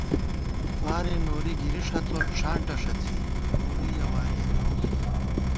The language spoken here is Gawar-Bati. فارے نوری گِری ݭڅوت ݭانٹہ ݭڅی، نوری یَہ وارِیہ گاؤس